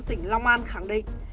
tỉnh long an khẳng định